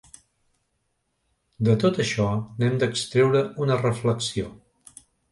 De tot això n’hem d’extreure una reflexió.